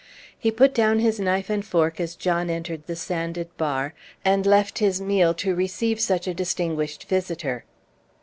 He put down his knife and fork as John entered the sanded bar, and left his meal to receive such a distinguished visitor.